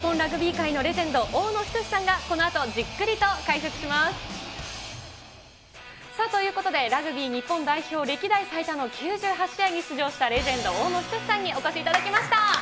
そんな強敵に勝つためのポイントを、日本ラグビー界のレジェンド、大野均さんがこのあとじっくりと解説します。ということで、ラグビー日本代表歴代最多の９８試合に出場したレジェンド、大野均さんにお越しいただきました。